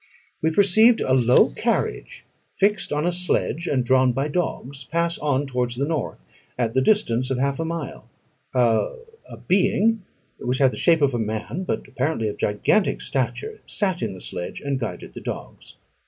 We perceived a low carriage, fixed on a sledge and drawn by dogs, pass on towards the north, at the distance of half a mile: a being which had the shape of a man, but apparently of gigantic stature, sat in the sledge, and guided the dogs.